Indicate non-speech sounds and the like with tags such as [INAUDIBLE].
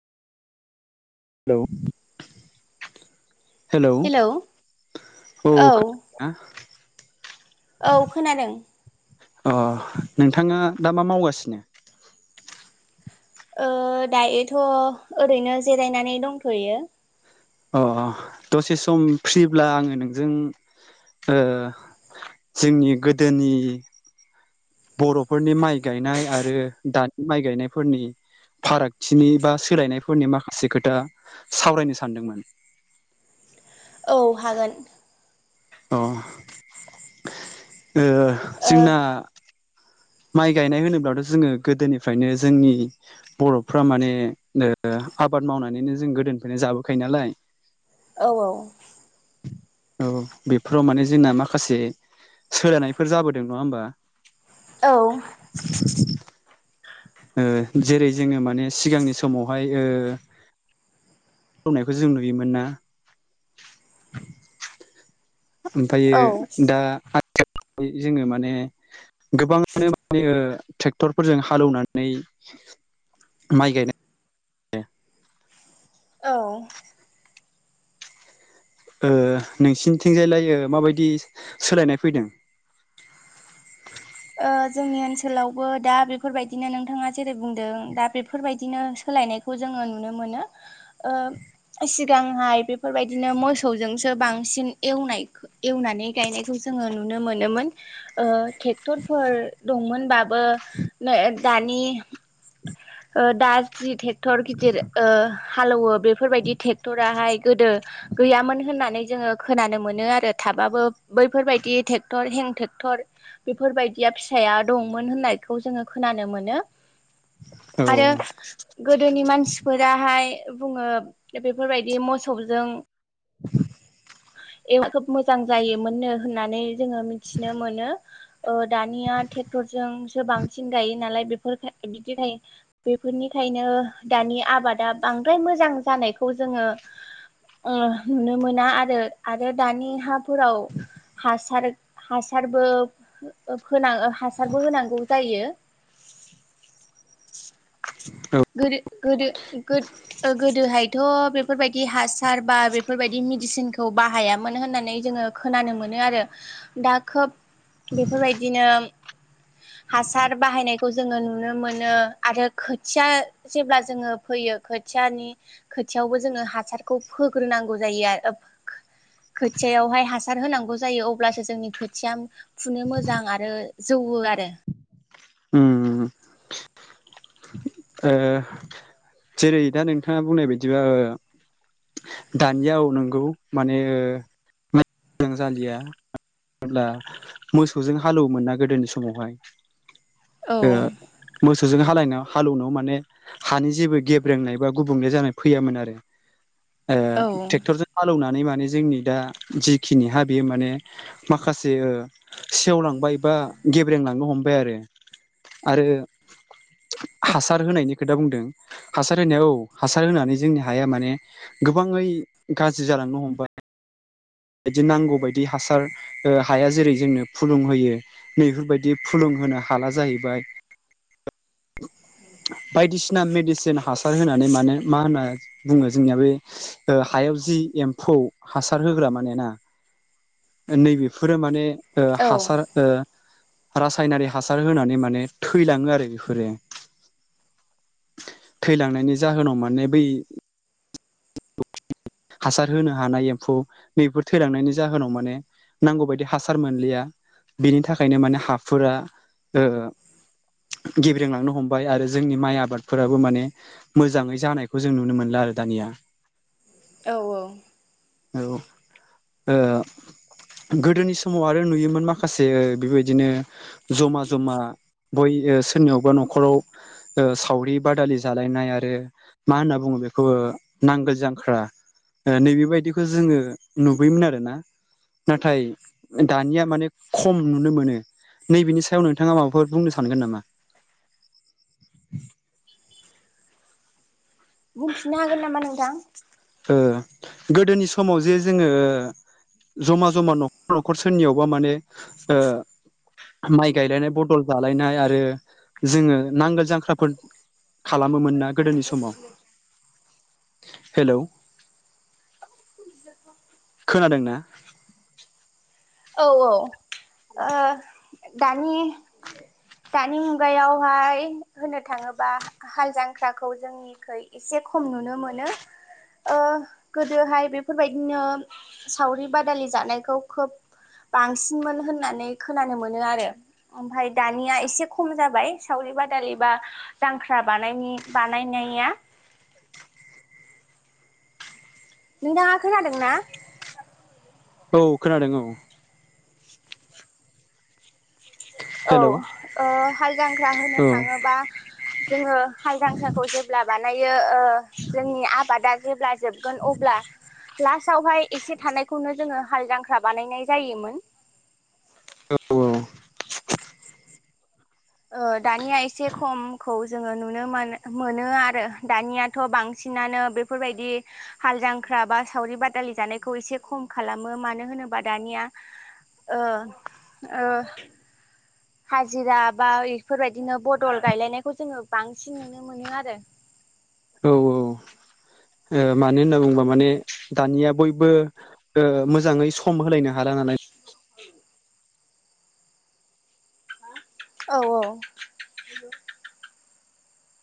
हेल' hello hello औ औ खो ना औ खोनादों। अ नोंथाङा दा मा मावगासिनो? ओ दायोथ' ओरैनो जिरायनानै दंथ'यो। अ अ दसे सम फ्रिब्ला आङो नोंजों ओ जोंनि गोदोनि बर'फोरनि माइ गायनाय आरो दानि माइ गायनायफोरनि फारागथिनि बा सोलायनायफोरनि माखासे खोथा सावरायनो सानदोंमोन। औ हागोन। अ ओ ओ जोंना माइ गायनाय होनोब्लाथ' जोङो गोदोनिफ्रायनो जोंनि बर'फ्रा माने आबाद ओ मावनानैनो जों गोदोनिफ्रायनो जाबोखायो नालाय औ औ। औ बेफोराव माने जोंना माखासे सोलानायफोर जाबोदों नङा होमबा? औ। ओ जेरै जोङो माने सिगांनि समावहाय ओ [UNINTELLIGIBLE] जों नुयोमोन ना औ ओमफ्रायो दा आथिखालाव जोङो माने गोबाङानो माने ओ ट्रेक्टरफोरजों हालेवनानै माइ गायनाय औ। ओ नोंसिनिथिंजायलाय ओ माबायदि सोलायनाय फैदों? ओ जोंनि ओनसोलावबो दा बेफोरबायदिनो नोंथाङा जेरै बुंदों दा बेफोरबायदिनो सोलायनायखौ जोङो नुनो मोनो ओ सि गांहाय बेफोरबायदिनो मोसौजोंसो बांसिन एवनाय एवनानै गायनायखौ जोङो नुनो मोनोमोन ओ टे क्टरफोर दंमोनबाबो नै दानि ओ दा जि ट्रेक्टर गिदिर ओ हालेवो बेफोरबायदि ट्रेक्टराहाय गोदो गैयामोन होननानै जोङो खोनानो मोनो आरो थाबाबो बैफोरबायदि ट्रेक्टर हें ट्रेक्टर बेफोरबायदिया फिसाया दंमोन होननायखौ जोङो खोनानो मोनो औ आरो गोदोनि मानसिफोराहाय बुङो बेफोरबायदि मोसौजों [INAUDIBLE] ए खोब मोजां जायोमोननो होननानै जोङो मिथिनो मोनो ओ दानिया ट्रेक्टरजोंसो बांसिन गायो नालाय बेफोर बिदिखायो बेफोरनिखायनो दानि आबादा बांद्राय मोजां जानायखौ जोङो नुनो मोना आरो आरो दानि हाफोराव हासार हासारबो होना हासारबो होनांगौ जायो औ गोदो-गोदो-गोद-गोदोहाय थ' बेफोरबायदि हासार बा बेफोरबायदि मेडिसिनखौ बाहायामोन होननानै जोङो खोनानो मोनो आरो दा खोब बेफोरबायदिनो हासार बाहायनायखौ जोङो नुनो मोनो आरो खोथिया जेब्ला जोङो फैयो खोथियानि खोथियावबो जोङो हासारखौ फोग्रोनांगौ जायो आरो खोथियावहाय हासार होनांगौ जायो अब्लासो जोंनि खोथिया फुनो मोजां आरो जौवो आरो ओम ओ जेरै दा नोंथाङा बुंनाय बायदिबा दानिया नोंगौ माने मोजां जालिया जब्ला मोसौजों हालौवोमोन नना गोदोनि समावहाय औ ओ मोसौजों हालायनायाव हालौवनाय माने हानि जेबो गेब्रेंनाय बा गुबुंले जानाय फैयामोन आरो औ ट्रेक्टरजों हालौवनानै माने जोंनि दा जिखिनि हा बेयो माने माखासे सेवलांबाय बा गेब्रेंलांनो हमबाय आरो आरो हासार होनायनि खोथा बुंदों हासार होनाया औ हासार होनानै जोंनि हाया माने गोबाङै गाज्रि जालांनो हमबाय बिदि नांगौ बायदि हासार हाया जेरै जोंनो फुलुं होयो नैफोरबायदि फुलोंहोनो हाला जाहैबाय बायदिसिना मेडिसिन हासार होनानै मानो मा होनना बुङो जोंनिया बे हायाव जि एम्फौ हासार होग्रा माने नैबेफोरो माने ओ हासार ओ रासायनारि हासार होनानै माने थैलाङो आरो बेफोरो थैलांनायनि जाहोनाव माने बै हासार होनो हानाय एम्फौ नैफोर थैलांनायनि जाहोनाव माने नांगौबायायदि हासार मोनलिया बिनि थाखायनो माने हाफोरा ओ गेब्रेंलांनो हमबाय आरो जोंनि माइ आबादफोराबो माने मोजाङै जानायखौ जों नुनो मोनला आरो दानिया औ औ औ ओ गोदोनि समाव आरो नुयोमोन माखासे बेबायदिनो जमा जमा बय सोरनियावबा न'खराव ओ सावरि बादालि जालायनाय आरो मा होनना बुङो बेखौ ओ नांगोल जां ख्रा ओ नैबेबायदिखौ जोङो नुबोयोमोन आरो ना नाथाय दानिया माने खम नुनो मोनो नैबेनि सायाव नोंथाङा माबाफोर बुंनो सानगोन नामा? बुंफिननो हागोन नामा नोंथां? ओ गोदोनि समाव जे जोङो जमा जमा न'खर न'खर सोरनियावबा माने ओ माइ गायलायनाय बदल जालायनाय आरो जोङो नांगोल जांख्राफोर खालामोमोन ना गोदोनि समाव हेलौ औ खोनादों ना औ औ दानि दानि मुगायावहाय होनो थाङोबा हाल जांख्राखौ जोंनि निखै एसे खम नुनो मोनो गोदोहाय बेफोरबायदिनो सावरि बादालि जानायखौ खोब बांसिनमोन होननानै खोनानो मोनो आरो ओमफफ्राय दानिया एसे खम जाबाय सावरि बादालिबा दांख्रा बानाय बानायनाया नोंथाङा खोनादों ना औ खोनादों औ औ हेलौ हाल जांख्रा होनो औ थाङोबा जोङो हालजांख्राखौ जे जेब्ला बानायो जोंनि आबादा जेब्ला जोबगोन अब्ला लास्टावहाय एसे थानायखौनो जोङो हाल जांख्रा बानायनाय जायोमोन औ दानिया एसे खमखौ जोङो नुनो मोन मोनो आरो दानियाथ' बांसिनानो बे बेफोरबायदि हाल जांख्रा बा सावरि बादालि जानायखौ एसे खम खालामो मानो होनोबा दानिया ओ ओ हाजिरा बा इफोरबायदिनो बदल गायलायनायखौ जोङो बांसिन नुनो मोनो आरो औ औ मानो होनना बुङोबा माने दानिया बयबो मोजाङै सम होलायनो हाला नालाय [INAUDIBLE] औ औ